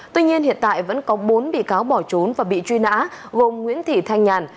tuy nhiên hiện tại vẫn có bốn bị cáo bỏ trốn và bị truy nã gồm nguyễn thị thanh nhàn